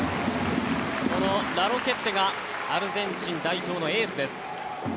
このラロケッテがアルゼンチン代表のエースです。